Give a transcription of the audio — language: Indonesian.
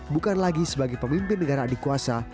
bukan lagi sebagai pemimpin negara dikuasa